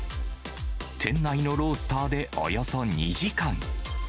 店内のロースターでおよそ２時間。